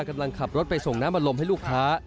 กำลังขับรถไปส่งน้ำอารมณ์ให้ลูกค้า